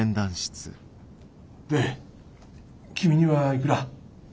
で君にはいくら？